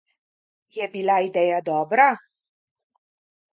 Je bila ideja dobra?